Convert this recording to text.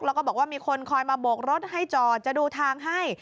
แล้วก็บอกว่ามีคนคอยมาโบกรถให้จอดจะดูทางให้